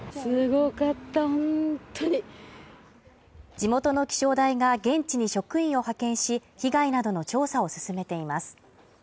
地元の気象台が現地に職員を派遣し、被害などの調査を進めています。